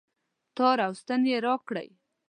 تار او ستن هم راکړئ